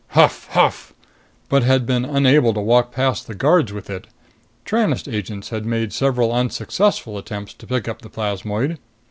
Huff huff! but had been unable to walk past the guards with it. Tranest agents had made several unsuccessful attempts to pick up the plasmoid.